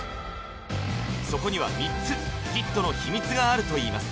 そこには３つヒットの秘密があるといいます